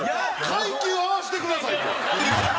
階級を合わせてくださいって。